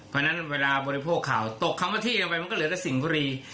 เพราะฉะนั้นเวลาบริโภคข่าวตกคำว่าที่เอาไปมันก็เหลือแต่สิ่งบุรี